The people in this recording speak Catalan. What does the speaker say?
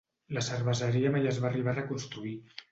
La cerveseria mai es va arribar a reconstruir.